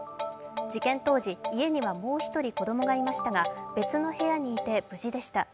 事件当時、家にはもう１人子供がいましたが別の部屋にいて無事でした。